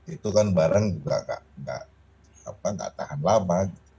itu kan barang juga nggak tahan lama